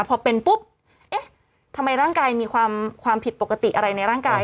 พอเป็นปุ๊บเอ๊ะทำไมร่างกายมีความผิดปกติอะไรในร่างกาย